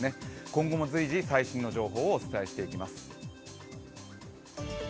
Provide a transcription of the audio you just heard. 今後も随時、最新の情報をお伝えしていきます。